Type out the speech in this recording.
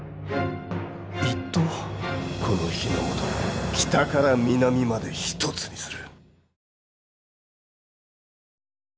この日ノ本を北から南まで一つにする。